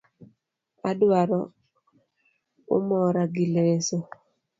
Aduaro umora gi leso